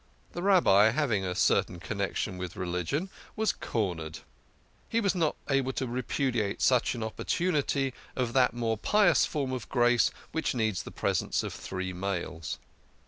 The Rabbi, having a certain connection with religion, was cornered ; he was not able to repudiate such an opportunity of that more pious form of grace which needs the presence of three males.